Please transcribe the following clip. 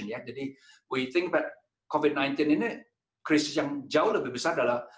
jadi kita pikir covid sembilan belas ini krisis yang jauh lebih besar adalah